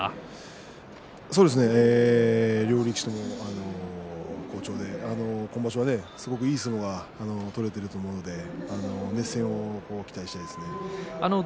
そうですね両力士とも好調で今場所はいい相撲が取れていると思うので熱戦を期待したいですね。